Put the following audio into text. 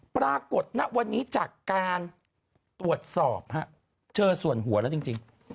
ปรากฏณวันนี้จากการตรวจสอบฮะเจอส่วนหัวแล้วจริง